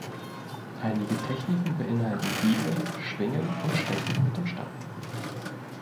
Einige Techniken beinhalten Hiebe, Schwingen und Stechen mit dem Stab.